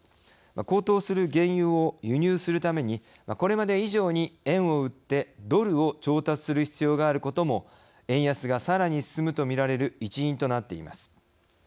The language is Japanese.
高騰する原油を輸入するためにこれまで以上に円を売ってドルを調達する必要があることも円安が、さらに進むとみられる一因となっています。